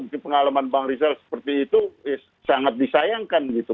di pengalaman bang rizal seperti itu sangat disayangkan gitu